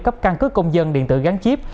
cấp căn cứ công dân điện tử gắn chip